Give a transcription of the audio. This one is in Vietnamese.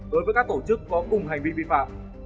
đối với các tổ chức có cùng hành vi vi phạm